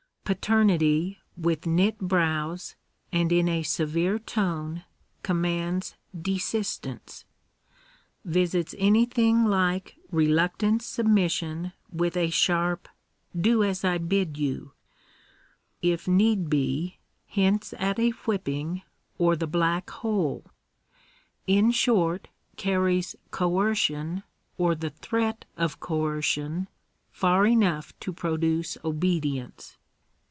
Paternity with knit brows, and in a severe tone, commands desistance — visits anything like reluctant submission with a sharp " Do as I bid you "— if need be, hints at a whipping or the black hole —in short carries coercion, or the threat of coercion, far enough to produce obedience.